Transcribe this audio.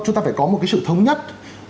chúng ta phải có một cái sự thống nhất